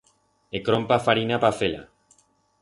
E crompa farina pa fer-la.